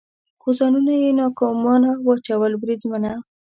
خو ځانونه یې ناګومانه واچول، بریدمنه.